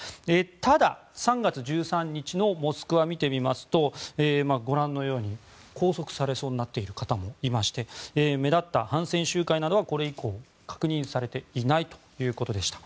ただ、３月１３日のモスクワ見てみますとご覧のように拘束されそうになっている方もいまして目立った反戦集会などはこれ以降、確認されていないということでした。